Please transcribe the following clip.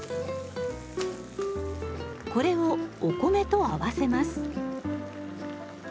これをお米と合わせます。